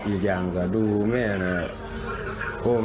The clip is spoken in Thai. อีกอย่างก็ดูแม่เนี่ย